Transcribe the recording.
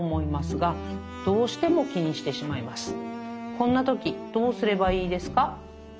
こんな時、どうすればいいですか」。